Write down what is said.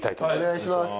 お願いします。